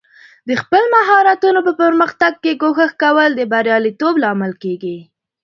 د خپل مهارتونو په پرمختګ کې کوښښ کول د بریالیتوب لامل کیږي.